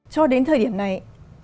cho đến thời điểm này